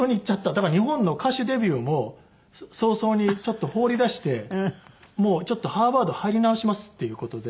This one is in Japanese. だから日本の歌手デビューも早々に放り出してもうちょっとハーバード入り直しますっていう事で。